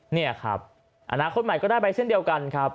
นี่ครับอนาคตใหม่ก็ได้ไปเช่นเดียวกันครับ